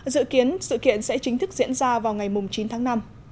dự kiến sự kiện sẽ chính thức diễn ra vào ngày chín tháng năm